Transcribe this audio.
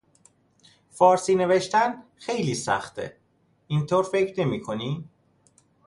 فارسی نوشتن خیلی سخته! اینطور فکر نمیکنی؟